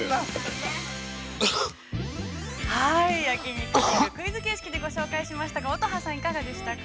◆焼肉きんぐ、クイズ形式でご紹介しましたが、乙葉さん、いかがでしたか。